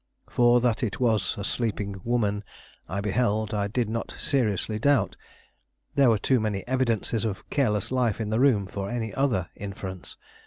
For that it was a sleeping woman I beheld, I did not seriously doubt. There were too many evidences of careless life in the room for any other inference.